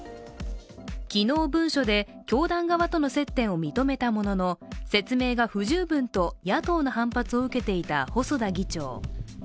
昨日、文書で教団側との接点を認めたものの説明が不十分と野党の反発を受けていた細田議長。